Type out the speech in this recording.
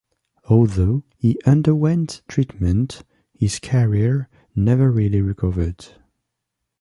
Although he underwent treatment, his career never really recovered.